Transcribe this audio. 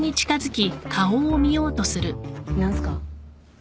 何すか？